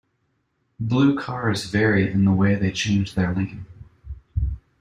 Blue cars vary in the way they change their lane.